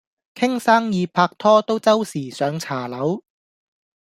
傾生意拍拖都周時上茶樓